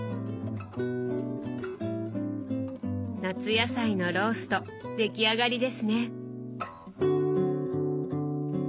夏野菜のロースト出来上がりですね。